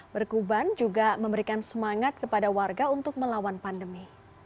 berkuban juga memberikan semangat kepada warga untuk melawan pandemi